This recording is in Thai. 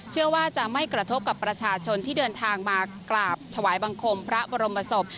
เชื่อว่าจะไม่กระทบกับประชาชนที่เดินทางมากราบถวายบังคมพระบรมศพ